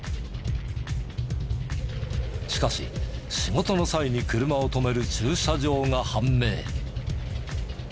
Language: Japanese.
しかし仕事の際に車を止める駐車場が判明。